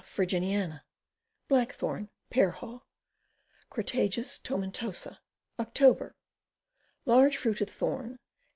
Virginiana. Black Thorn. Pear Haw. Crataegus tomentosa. Oct. Large fruited Thorn.